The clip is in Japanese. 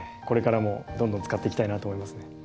これからもどんどん使っていきたいなと思いますね。